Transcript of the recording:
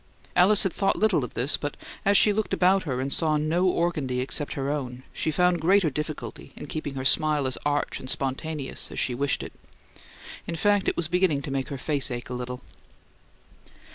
Alice had thought little of this; but as she looked about her and saw no organdie except her own, she found greater difficulty in keeping her smile as arch and spontaneous as she wished it. In fact, it was beginning to make her face ache a little.